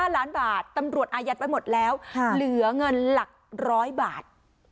๕ล้านบาทตำรวจอายัดไว้หมดแล้วเหลือเงินหลัก๑๐๐บาท